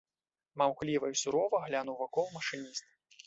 Маўкліва і сурова глянуў вакол машыніст.